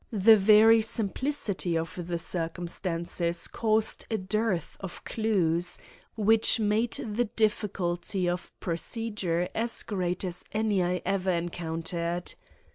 The very simplicity of the circumstances caused a dearth of clues, which made the difficulty of procedure as great as any I ever encountered.